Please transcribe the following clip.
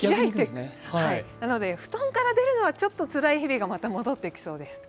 布団から出るのはちょっとつらい日々がまた戻ってきそうです。